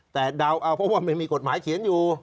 แต่เดาเอาเพราะว่ามันมีกฎหมายเขียนอยู่